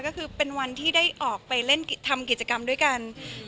ก็คือเป็นวันที่ได้ออกไปเล่นทำกิจกรรมด้วยกัน